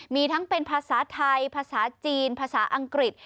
มีทั้งเป็นภาษาไทยภาษาจีนภาษาอังกฤษ